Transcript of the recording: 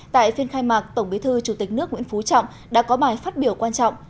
tại phiên khai mạc tổng bí thư chủ tịch nước nguyễn phú trọng đã có bài phát biểu quan trọng